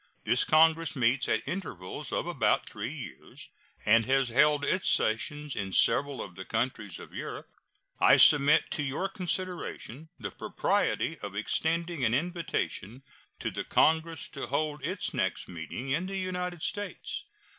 This congress meets at intervals of about three years, and has held its sessions in several of the countries of Europe. I submit to your consideration the propriety of extending an invitation to the congress to hold its next meeting in the United States.